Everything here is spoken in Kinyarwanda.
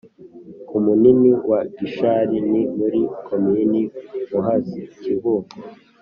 ku munini wa gishari: ni muri komini muhazi (kibungo)